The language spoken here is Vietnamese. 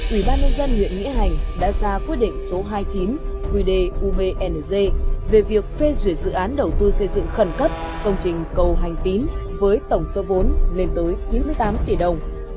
ủy ban nhân dân huyện nghĩa hành đã ra quyết định số hai mươi chín qd uvnc về việc phê duyệt dự án đầu tư xây dựng khẩn cấp công trình cầu hành tín với tổng số vốn lên tới chín mươi tám tỷ đồng